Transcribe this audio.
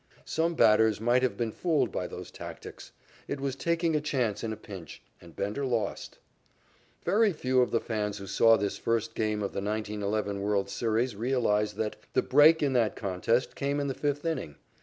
Some batters might have been fooled by those tactics. It was taking a chance in a pinch, and Bender lost. Very few of the fans who saw this first game of the 1911 world's series realize that the "break" in that contest came in the fifth inning.